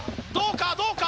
どうか？